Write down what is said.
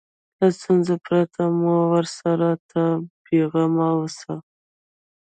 له ستونزو پرته مو رسوو ته بیغمه اوسه.